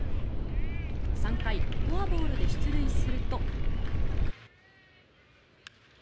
３回、フォアボールで出塁すると。